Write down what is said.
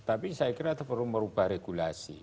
tapi saya kira itu perlu merubah regulasi